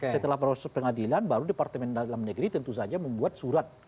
setelah proses pengadilan baru departemen dalam negeri tentu saja membuat surat